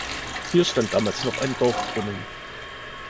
Hier stand damals noch ein Dorfbrunnen.